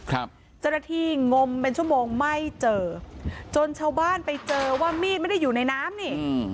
เจ้าหน้าที่งมเป็นชั่วโมงไม่เจอจนชาวบ้านไปเจอว่ามีดไม่ได้อยู่ในน้ำนี่อืม